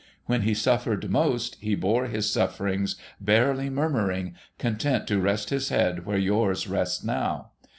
When he suffered most, he bore his sufferings barely murmuring, content to rest his head where yours rests now.